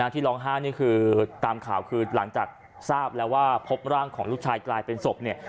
ที่ร้องไห้นี่คือตามข่าวคือหลังจากทราบแล้วว่าพบร่างของลูกชายกลายเป็นศพเนี่ย